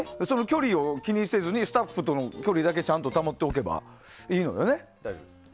距離を気にせずにスタッフとの距離だけちゃんと保っておけばいいのよね。